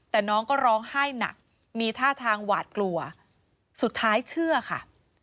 แต่น้องก็ร้องไห้หนักมีท่าทางหวาดกลัวสุดท้ายเชื่อค่ะ